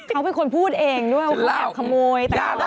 เขาเป็นคนพูดเองด้วยว่าเขาแอบขโมยแต่